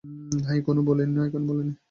না, এখনও বলিনি।